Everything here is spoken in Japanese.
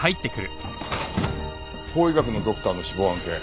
法医学のドクターの死亡案件